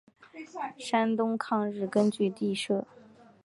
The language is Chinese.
山东抗日根据地设。